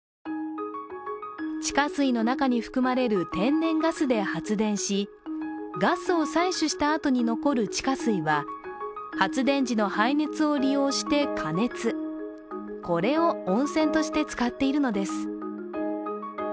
地下水の中に含まれる天然ガスで発電し、ガスを採取した後に残る地下水は発電時の排熱を利用して加熱これを温泉として使っているのです。